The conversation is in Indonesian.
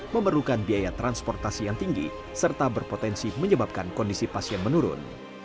memerlukan biaya transportasi yang tinggi serta berpotensi menyebabkan kondisi pasien menurun